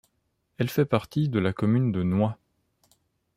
Elle fait partie de la commune de Nwa.